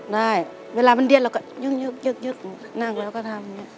ได้เวลามันเดี้ยนเราก็ยึกนั่งแล้วก็ทำ